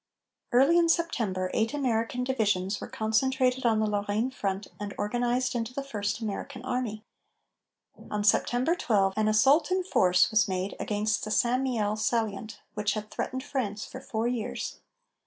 Early in September eight American divisions were concentrated on the Lorraine front and organized into the First American Army. On September 12 an assault in force was made against the St. Mihiel salient, which had threatened France for four years.